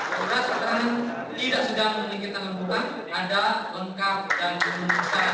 surat keterangan tidak sedang meninggikan tangan butang ada lengkap dan penuhi sarang